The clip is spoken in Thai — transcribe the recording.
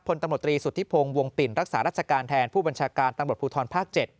พลตำรวจตรีสุธิพงศ์วงปิ่นรักษารัชการแทนผู้บัญชาการตำรวจภูทรภาค๗